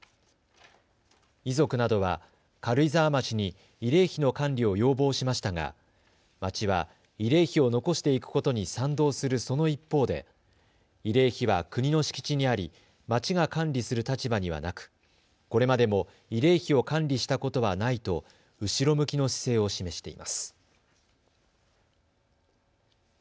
遺族などは軽井沢町に慰霊碑の管理を要望しましたが町は慰霊碑を残していくことに賛同するその一方で、慰霊碑は国の敷地にあり町が管理する立場にはなく、これまでも慰霊碑を管理したことはないと後ろ向きの姿勢を示しています。